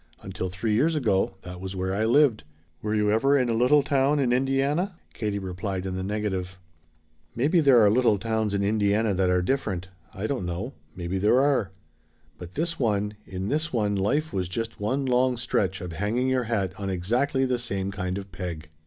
Until three years ago, that was where I lived. Were you ever in a little town in Indiana?" Katie replied in the negative. "Maybe there are little towns in Indiana that are different. I don't know. Maybe there are. But this one in this one life was just one long stretch of hanging your hat on exactly the same kind of peg!